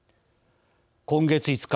今月５日。